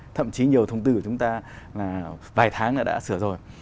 thậm chí nhiều thông tư của chúng ta là vài tháng là đã sửa rồi